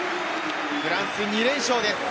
フランス２連勝です。